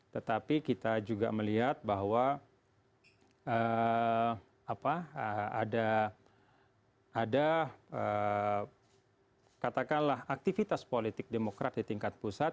tetapi kita juga melihat bahwa ada katakanlah aktivitas politik demokrat di tingkat pusat